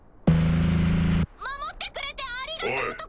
守ってくれてありがとうとか。